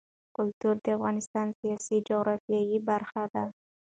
کلتور د افغانستان د سیاسي جغرافیه برخه ده.